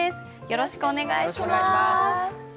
よろしくお願いします。